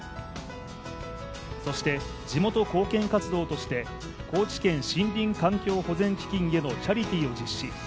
そして、地元貢献活動として高知県森林環境保全基金へのチャリティーを実施。